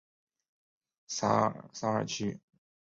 萨尔屈。